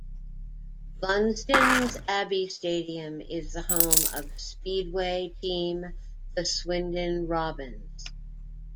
Blunsdon's Abbey Stadium is the home of speedway team the Swindon Robins.